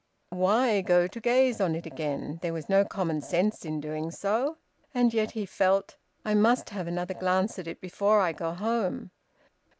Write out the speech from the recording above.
Why go to gaze on it again? There was no common sense in doing so. And yet he felt: "I must have another glance at it before I go home."